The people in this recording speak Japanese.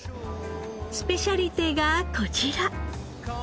スペシャリテがこちら。